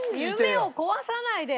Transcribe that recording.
夢を壊さないで！